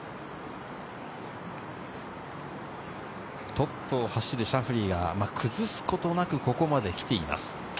トップを走るシャフリーが、崩すことなくここまで来ています。